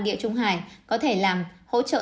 địa trung hải có thể làm hỗ trợ